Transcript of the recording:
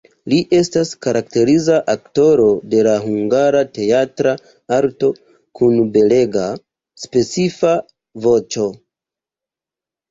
Li estas karakteriza aktoro de la hungara teatra arto kun belega, specifa voĉo.